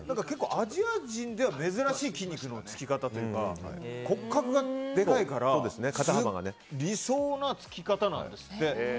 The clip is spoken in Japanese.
アジア人では珍しい筋肉の付き方というか骨格がでかいから理想の付き方なんですって。